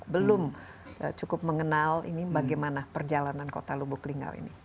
belum cukup mengenal ini bagaimana perjalanan kota lubuk linggau ini